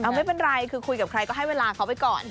ไม่เป็นไรคือคุยกับใครก็ให้เวลาเขาไปก่อน